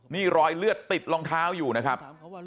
นี่รอยเลือดติดรองเท้าอยู่นะครับ